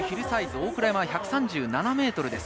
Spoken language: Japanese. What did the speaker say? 大倉山は１３７メートルです。